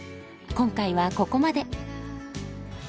今回はここまで！